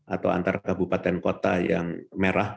atau antar kabupaten kota yang merah